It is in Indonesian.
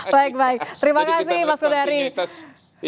baik baik terima kasih mas kudari